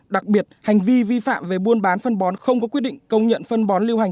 đặc biệt hành vi vi phạm về buôn bán phân bón không có quyết định công nhận phân bón lưu hành